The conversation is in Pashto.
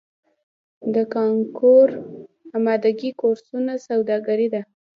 د کانکور امادګۍ کورسونه سوداګري ده؟